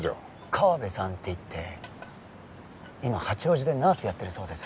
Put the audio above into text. カワベさんっていって今八王子でナースやってるそうです